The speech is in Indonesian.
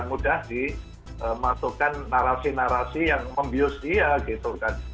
mudah dimasukkan narasi narasi yang membius dia